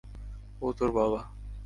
ও তোর বাবা।